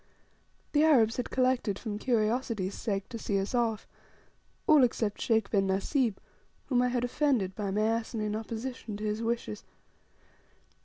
The Arabs had collected from curiosity's sake to see us off all except Sheikh bin Nasib, whom I had offended by my asinine opposition to his wishes.